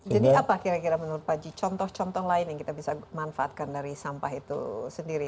jadi apa kira kira menurut pak ji contoh contoh lain yang kita bisa manfaatkan dari sampah itu sendiri